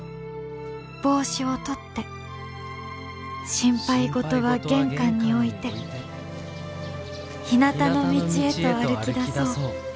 「心配事は玄関に置いてひなたの道へと歩きだそう。